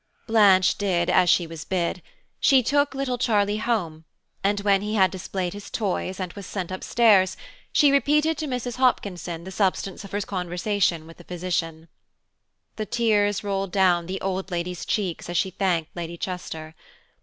Blanche did as she was bid. She took little Charlie home, and when he had displayed his toys and was sent up stairs, she repeated to Mrs. Hopkinson the substance of her conversation with the physician. The tears rolled down the old lady's cheeks as she thanked Lady Chester.